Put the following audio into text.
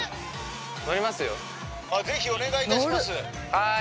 はい。